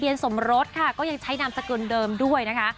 สมรสค่ะก็ยังใช้นามสกุลเดิมด้วยนะคะ